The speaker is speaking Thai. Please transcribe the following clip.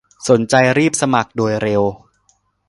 สนใจรีบสมัครโดยเร็ว